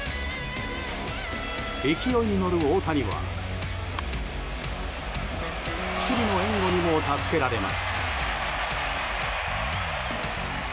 勢いに乗る大谷は守備の援護にも助けられます。